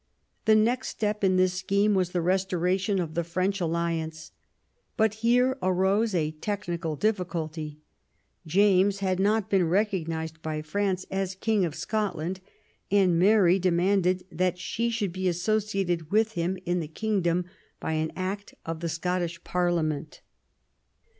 The next step in this scheme was the restoration of the French alliance. But here arose a technical difficulty. James had not been recognised by France as King of Scotland; and Mary demanded that she should be associated with him in the kingdom by an Act of the Scottish Parliament.